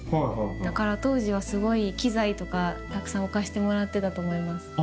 だから当時はすごい機材とかたくさん置かせてもらってたと思います。